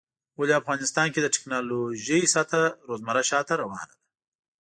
ولی افغانستان کې د ټيکنالوژۍ سطحه روزمره شاته روانه ده